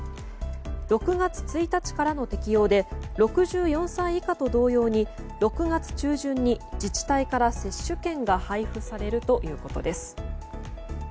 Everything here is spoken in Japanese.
６月１日からの適用で６４歳以下と同様に６月中旬に自治体から接種券が配布されるということです。